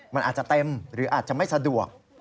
มันอาจจะเต็มหรืออาจจะไม่สะดวก